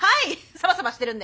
サバサバしてるんで。